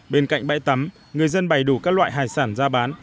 bên cạnh bãi tắm người dân bày đủ các loại hải sản ra bán